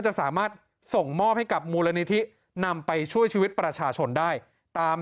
จะสามารถส่งมอบให้กับมูลนิธินำไปช่วยชีวิตประชาชนได้ตาม